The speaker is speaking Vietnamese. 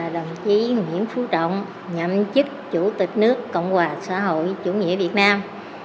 đồng chí nguyễn phú trọng nhậm chức chủ tịch nước cộng hòa xã hội chủ nghĩa việt nam